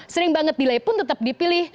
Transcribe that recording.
sering banget delay pun tetap dipilih